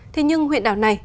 thế nhưng huyện đảo này